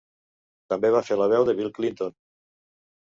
També va fer la veu de Bill Clinton.